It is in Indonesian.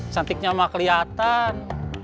cantiknya sama kelihatan